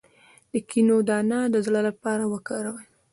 د کینو دانه د زړه لپاره وکاروئ